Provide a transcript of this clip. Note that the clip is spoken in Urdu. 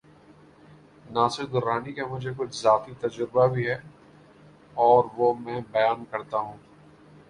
ناصر درانی کا مجھے کچھ ذاتی تجربہ بھی ہے‘ اور وہ میں بیان کرتا ہوں۔